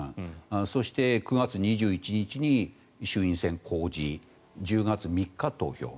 そして、９月２１日に衆院選公示１０月３日、投票。